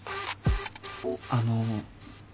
あの。